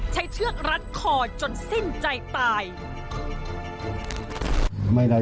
เชือกรัดคอจนสิ้นใจตาย